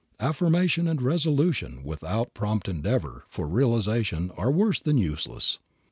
Affirmation and resolution without prompt endeavor for realization are worse than useless.